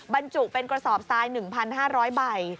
บรรจุเป็นกระสอบทราย๑๕๐๐ใบ